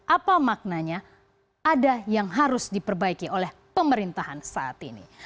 apa maknanya ada yang harus diperbaiki oleh pemerintahan saat ini